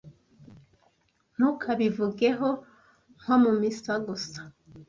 ntukabivugeho nko mu misa gusa